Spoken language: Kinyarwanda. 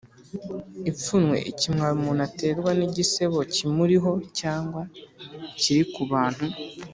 ipfunwe: ikimwaro umuntu aterwa n’igisebo kimuriho cyangwa kiri ku bantu